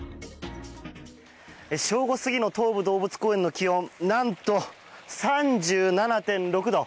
正午過ぎの東武動物公園の気温、何と３７．６度。